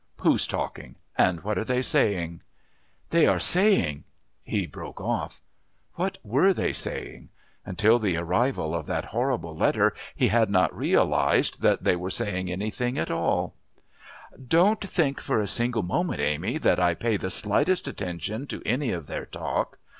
"Who's talking? And what are they saying?" "They are saying " He broke off. What were they saying? Until the arrival of that horrible letter he had not realised that they were saying anything at all. "Don't think for a single moment, Amy, that I pay the slightest attention to any of their talk.